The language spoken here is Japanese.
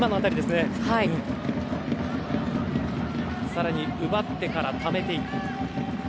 更に奪ってからためていく。